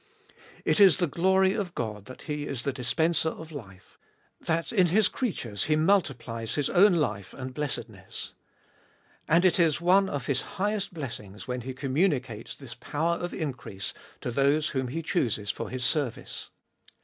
It is the glory of God that He is the dispenser of life — that in His creatures He multiplies His own life and blessedness. And it is one of His highest blessings when He communicates this power of increase to those whom He chooses for His service.